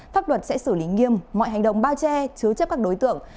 pháp luật sẽ xử lý nghiêm mọi hành động bao che chứa chấp các đối tượng